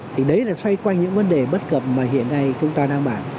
thì đấy là xoay quanh những vấn đề bất cập mà hiện nay chúng ta đang bàn